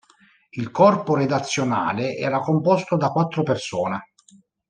Il corpo redazionale era composto da quattro persone.